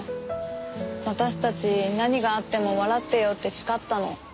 私たち何があっても笑っていようって誓ったの。